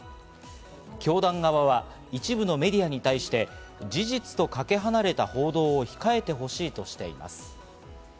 教団側は一部のメディアに対して、事実とかけ離れた報道を控えてほしいとしています。